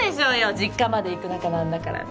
実家まで行く仲なんだからね